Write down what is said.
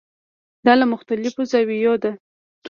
دا له مختلفو زاویو ده.